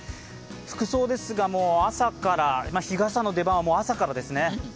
服装ですが、日傘の出番は朝からですね。